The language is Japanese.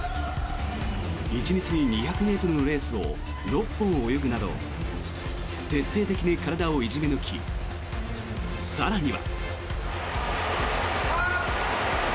１日に２００ｍのレースを６本泳ぐなど徹底的に体をいじめ抜き更には。